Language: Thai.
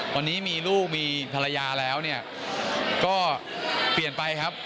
วันนี้มีลูกมีภรรยาแล้วเนี่ยก็เปลี่ยนไปครับ